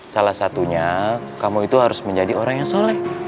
salah satunya kamu itu harus menjadi orang yang soleh